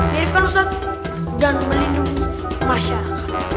miripkan ustadz dan melindungi masyarakat